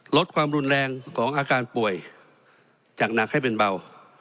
ลดความรุนแรงของอาการป่วยจากหนักให้เป็นเบา